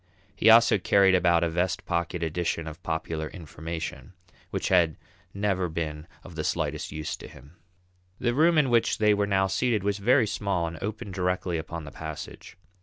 He also carried about a "Vest Pocket Edition of Popular Information," which had never been of the slightest use to him. The room in which they were now seated was very small and opened directly upon the passage.